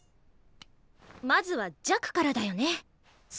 まずは「弱」からだよね。